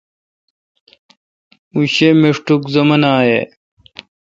اں شی مشٹوک زُمان اے°۔